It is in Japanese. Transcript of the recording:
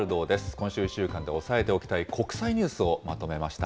今週１週間で押さえておきたい国際ニュースをまとめました。